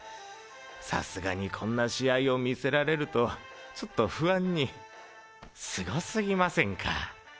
さすがにこんな試合を見せられるとちょっと不安に凄すぎませんか？